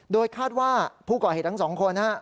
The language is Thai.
โดยคาดว่าผู้ก่อเหตุทั้งสองคน